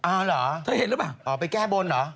อ้าวเหรอไปแก้บนเหรอถ้าเห็นหรือเปล่า